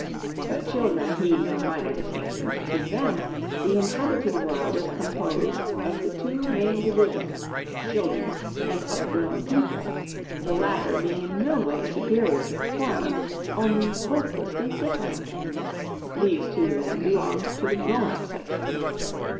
But children heed no minor distinctions; to them, the inhabited world is composed of the two main divisions: children and upgrown people; the latter being in no way superior to the former only hopelessly different. These two, then, belonged to the grown up section.)